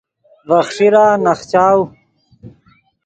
ڤے خݰیرا نخچاؤ